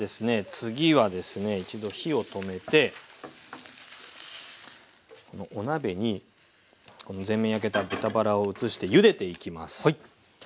次はですね一度火を止めてお鍋に全面焼けた豚バラを移してゆでていきます。